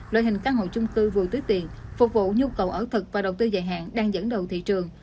loại hình căn hộ chung cư vừa túi tiền phục vụ nhu cầu ở thực và đầu tư dài hạn đang dẫn đầu thị trường